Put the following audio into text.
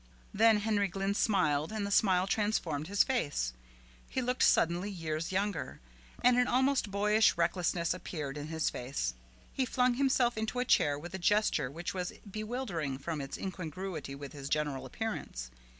Then Henry Glynn smiled and the smile transformed his face. He looked suddenly years younger, and an almost boyish recklessness appeared in his face. He flung himself into a chair with a gesture which was bewildering from its incongruity with his general appearance.